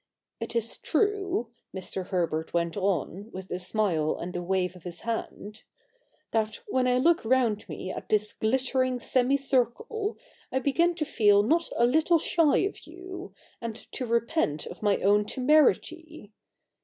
It is true,' Mr. Herbert went on, with a smile and a wave of his hand, ' that when I look round me at this glittering semicircle, I begin to feel not a little shy of you, and to repent of my own temerity.